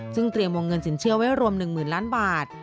ซึ่งเตรียมวงเงินสินเชื่อไว้รวม๑๐๐๐ล้านบาท